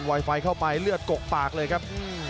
ไฟเข้าไปเลือดกกปากเลยครับ